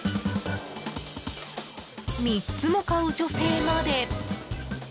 ３つも買う女性まで。